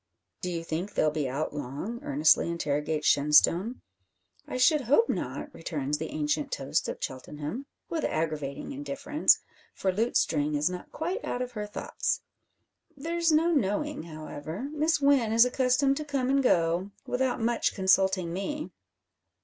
"Do you think they'll be out long?" earnestly interrogates Shenstone. "I should hope not," returns the ancient toast of Cheltenham, with aggravating indifference, for Lutestring is not quite out of her thoughts. "There's no knowing, however. Miss Wynn is accustomed to come and go, without much consulting me."